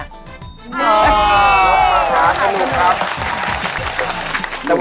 อ๋อโอ้ขอบคุณครับ